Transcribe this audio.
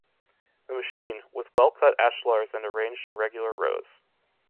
The machine, with well-cut ashlars and arranged in regular rows.